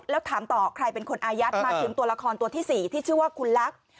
แล้วถามต่อใครเป็นคนอายัดมาถึงตัวละครตัวที่๔ที่ชื่อว่าคุณลักษณ์